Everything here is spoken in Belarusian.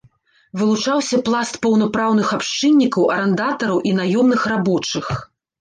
Вылучаўся пласт паўнапраўных абшчыннікаў, арандатараў і наёмных рабочых.